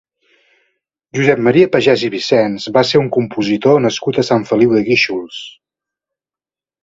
Josep Maria Pagès i Vicens va ser un compositor nascut a Sant Feliu de Guíxols.